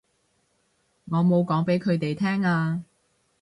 我冇講畀佢哋聽啊